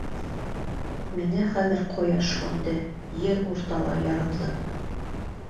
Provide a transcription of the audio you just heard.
Миңә хәҙер ҡояш һүнде, ер урталай ярылды!